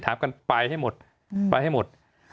กันไปให้หมดไปให้หมด